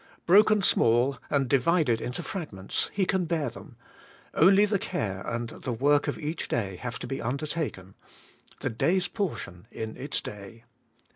Broken small and divided into fragments, he can bear them ; only the care and the work of each day have to be undertaken, — the day's portion in its day.